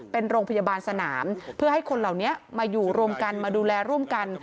เป็นโรงพยาบาลสนามเพื่อให้คนเหล่านี้มาอยู่รวมกันมาดูแลร่วมกัน